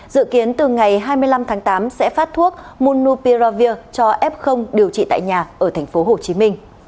dự kiến từ ngày hai mươi năm tháng tám sẽ phát thuốc monu piravir cho f điều trị tại nhà ở tp hcm